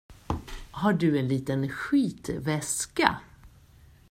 Har du en liten skitväska?